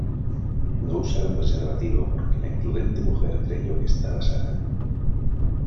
No usaron preservativo porque la imprudente mujer creyó que estaba sana.